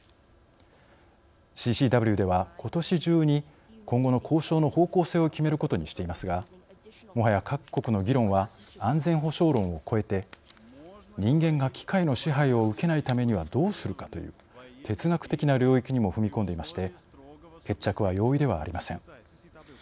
ＣＣＷでは、ことし中に今後の交渉の方向性を決めることにしていますがもはや各国の議論は安全保障論をこえて人間が機械の支配を受けないためにはどうするかという哲学的な領域にも踏み込んでいまして決着は容易ではありません。